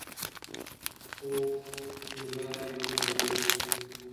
خوب ملا نیولی و.